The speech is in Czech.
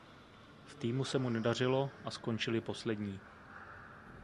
V týmu se mu nedařilo a skončili poslední.